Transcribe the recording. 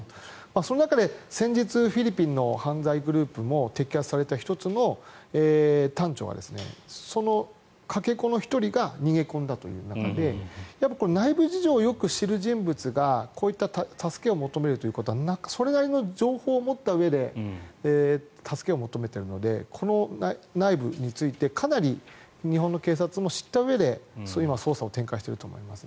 その中で、先日フィリピンの犯罪グループも摘発された１つの端緒はそのかけ子の１人が逃げ込んだという中で内部事情をよく知る人物がこういった助けを求めるということはそれなりの情報を持ったうえで助けを求めているのでこの内部についてかなり日本の警察も知ったうえで今、捜査を展開していると思います。